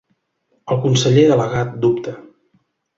El conseller delegat dubta.